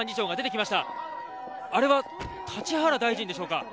「あれは立原大臣でしょうか？